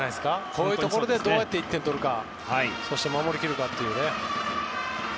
こういうところでどうやって１点を取るかそして守り切るかというね。